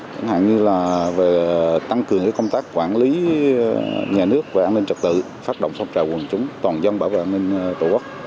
chẳng hạn như là về tăng cường công tác quản lý nhà nước về an ninh trật tự phát động phong trào quần chúng toàn dân bảo vệ an ninh tổ quốc